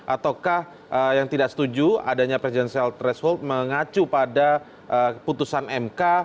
ataukah yang tidak setuju adanya presidensial threshold mengacu pada putusan mk